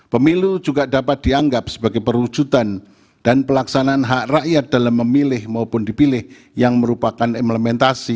pertama dianggap telah dibacakan